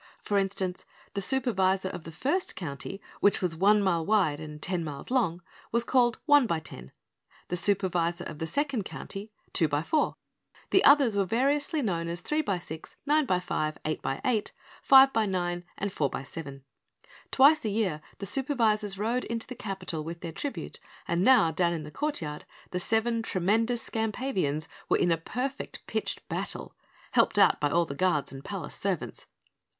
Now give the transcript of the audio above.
For instance, the Supervisor of the First County, which was one mile wide and ten miles long, was called Onebyten; the Supervisor of the Second County Twobyfour; and the others were variously known as Threebysix, Ninebyfive, Eightbyeight, Fivebynine and Fourbyseven. Twice a year the Supervisors rode into the capital with their tribute, and now, down in the courtyard, the seven tremendous Skampavians were in a perfect pitched battle, helped out by all the guards and palace servants.